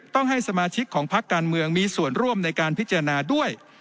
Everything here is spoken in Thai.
ต้องให้สมาชิกของพักการเมืองมีส่วนร่วมในการพิจารณาด้วย